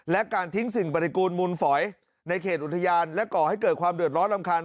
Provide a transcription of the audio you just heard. และการทิ้งสิ่งปฏิกูลมูลฝอยในเขตอุทยานและก่อให้เกิดความเดือดร้อนรำคาญ